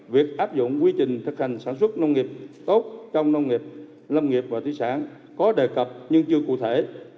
việc áp dụng quy trình thực hành sản xuất nông nghiệp tốt trong nông nghiệp lâm nghiệp và thí sản có đề cập nhưng chưa cụ thể